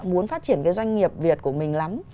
muốn phát triển cái doanh nghiệp việt của mình lắm